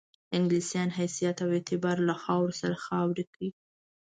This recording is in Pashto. انګلیسیانو حیثیت او اعتبار له خاورو سره برابر کړي.